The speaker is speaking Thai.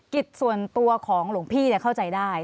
กิจส่วนตัวของหลวงพี่เข้าใจได้